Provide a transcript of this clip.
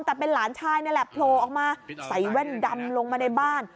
แต่เป็นหลานชายนี่แหละโผล่ออกมาใส่แว่นดำลงมาในบ้าน